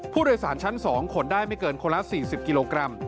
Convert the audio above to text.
ผู้โดยสารชั้น๒ขนได้ไม่เกินคนละ๔๐กิโลกรัม